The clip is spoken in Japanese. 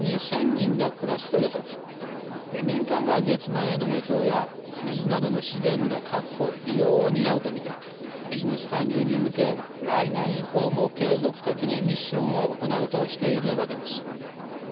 民間が月面への輸送や水などの資源の確保利用を担うと見てビジネス参入に向け来年以降も継続的にミッションを行うとしているわけです。